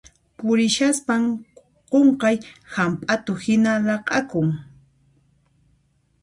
Purishaspan qunqay hamp'atu hina laq'akun.